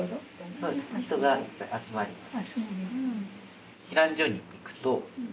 そうです人がいっぱい集まります。